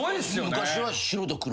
昔は白と黒。